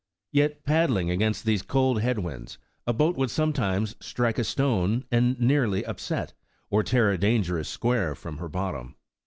Yet paddling against cold head winds, a boat would sometimes strike a stone, and nearly upset, or tear a dangerous square from her bottom.